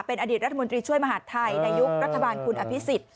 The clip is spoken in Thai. เป็นอดีตรัฐมนตรีช่วยมหาดไทยในยุครัฐบาลคุณอภิษฎ